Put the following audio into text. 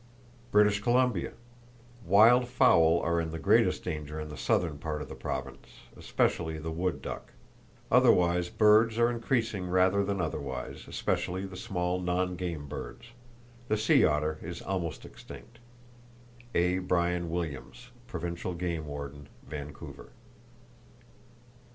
British Columbia: Wild fowl are in the greatest danger in the southern part of the Province, especially the wood duck. Otherwise birds are increasing rather than otherwise, especially the [Page 52] small non game birds. The sea otter is almost extinct.—(A. Bryan Williams, Provincial Game Warden, Vancouver.)